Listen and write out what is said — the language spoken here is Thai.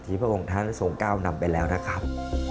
พระองค์ท่านทรงก้าวนำไปแล้วนะครับ